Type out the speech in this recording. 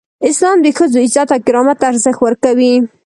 اسلام د ښځو عزت او کرامت ته ارزښت ورکوي.